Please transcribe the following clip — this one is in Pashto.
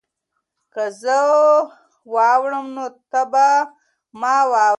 که زه واوړم نو ته به ما واورې؟